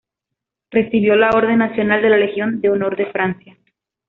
Recibió la Orden Nacional de la Legión de Honor de Francia.